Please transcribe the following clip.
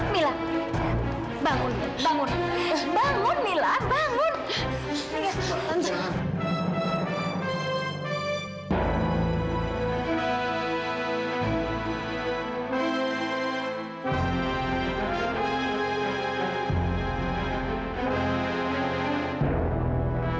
mila bangun bangun bangun mila bangun